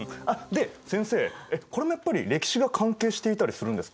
で先生これもやっぱり歴史が関係していたりするんですか？